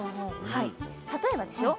例えばですよ